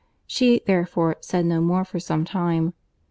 She, therefore, said no more for some time.